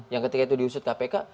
yang ketika itu diusut kpk